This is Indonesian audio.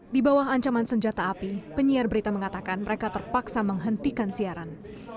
di bawah ancaman senjata api penyiar berita mengatakan mereka terpaksa menghentikan siaran